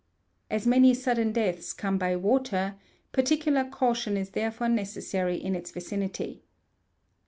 As many sudden deaths come by water, particular caution is therefore necessary in its vicinity.